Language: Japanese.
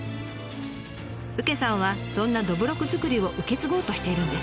うけさんはそんなどぶろく造りを受け継ごうとしているんです。